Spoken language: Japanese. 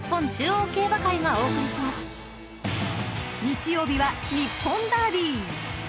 ［日曜日は日本ダービー］